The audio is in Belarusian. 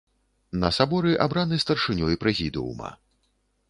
На саборы абраны старшынёй прэзідыума.